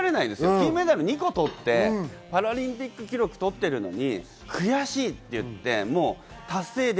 金メダル２個取って、パラリンピック記録を持ってるのに悔しいですって。